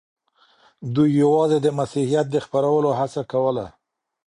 دوی یوازې د مسیحیت د خپرولو هڅه کوله.